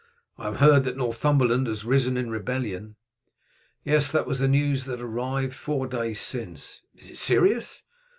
"I have heard that Northumberland has risen in rebellion." "Yes, that was the news that arrived four days since." "Is it serious?"